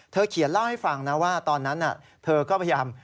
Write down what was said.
เขียนเล่าให้ฟังนะว่าตอนนั้นเธอก็พยายาม